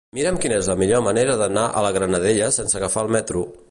Mira'm quina és la millor manera d'anar a la Granadella sense agafar el metro.